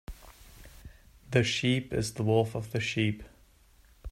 The sheep is the wolf of sheep.